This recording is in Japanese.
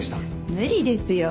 無理ですよ。